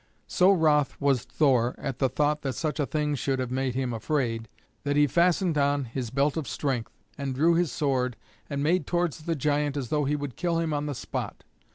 So wroth was Thor at the thought that such a thing should have made him afraid, that he fastened on his belt of strength and drew his sword and made towards the giant as though he would kill him on the spot.